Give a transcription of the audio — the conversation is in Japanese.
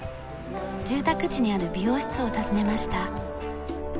住宅地にある美容室を訪ねました。